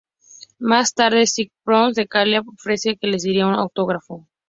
Más tarde, Skye spots de Kayla y ofrece que le diera un autógrafo.